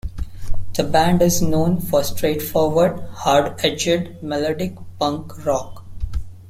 The band is known for straightforward, hard-edged melodic punk rock.